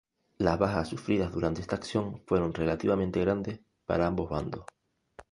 Las bajas sufridas durante esta acción fueron relativamente grandes para ambos bandos.